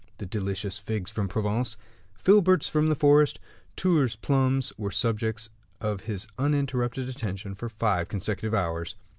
The delicious figs from Provence, filberts from the forest, Tours plums, were subjects of his uninterrupted attention for five consecutive hours.